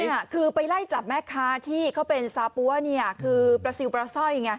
นี่คือไปไล่จับแม่ค้าที่เขาเป็นซาปั๊วเนี่ยคือปลาซิลปลาสร้อยไง